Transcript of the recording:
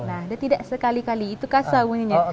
nah dia tidak sekali kali itu kasa bunyinya